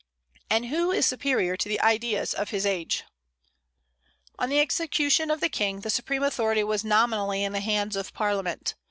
And who is superior to the ideas of his age? On the execution of the King, the supreme authority was nominally in the hands of Parliament.